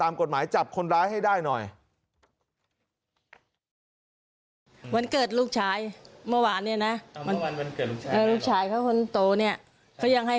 กฎหมายจับคนร้ายให้ได้หน่อย